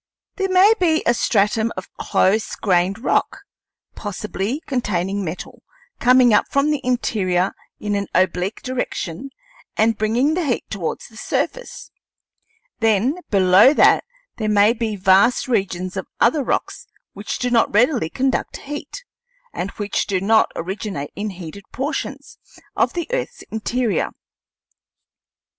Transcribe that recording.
There may be a stratum of close grained rock, possibly containing metal, coming up from the interior in an oblique direction and bringing the heat towards the surface; then below that there may be vast regions of other rocks which do not readily conduct heat, and which do not originate in heated portions of the earth's interior.